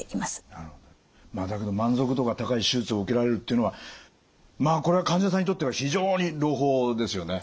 だけど満足度が高い手術を受けられるっていうのはこれは患者さんにとっては非常に朗報ですよね。